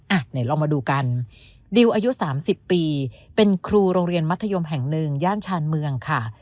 อ่ะไหนลองมาดูกันดิวอายุ๓๐ปีเป็นครูโรงเรียนมัธยมแห่งหนึ่งย่านชานเมืองค่ะ